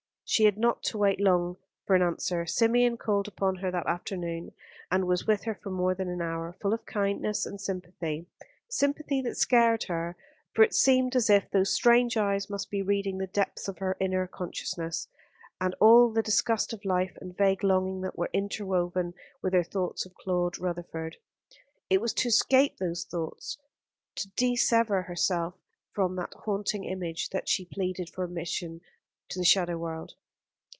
She had not to wait long for an answer. Symeon called upon her that afternoon, and was with her for more than an hour, full of kindness and sympathy; sympathy that scared her, for it seemed as if those strange eyes must be reading the depths of her inner consciousness, and all the disgust of life and vague longing that were interwoven with her thoughts of Claude Rutherford. It was to escape those thoughts to dissever herself from that haunting image, that she pleaded for admission to the shadow world.